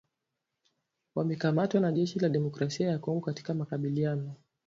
wamekamatwa na jeshi la Demokrasia ya Kongo katika makabiliano